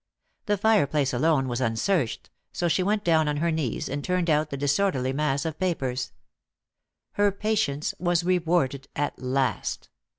The fireplace alone was unsearched, so she went down on her knees and turned out the disorderly mass of papers. Her patience was rewarded at last.